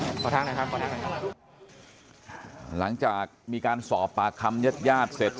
ขอทั้งนะครับขอทั้งนะครับหลังจากมีการสอบปากคำเย็ดยาดเสร็จ